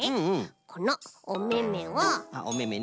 このおめめをあっおめめね。